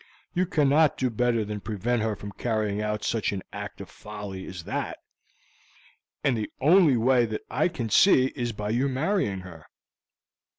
You cannot do better than prevent her from carrying out such an act of folly as that, and the only way that I can see is by your marrying her.